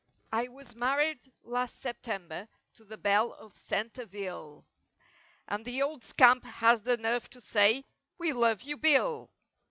I was married last September to the belle of Centre ville"— And the old scamp has the nerve to sign— "WE love you—Bill!"